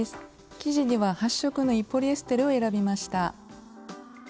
生地には発色のいいポリエステルを選びました。